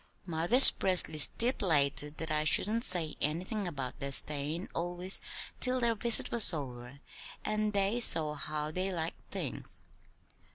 Mother 'spressly stip'lated that I shouldn't say anything about their stayin' always till their visit was over and they saw how they liked things."